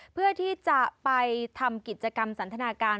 เพื่อที่จะไปทำกิจกรรมสันทนาการ